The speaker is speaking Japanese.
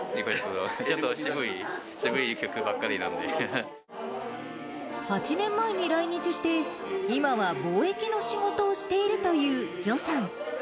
ちょっと渋い、８年前に来日して、今は貿易の仕事をしているというじょさん。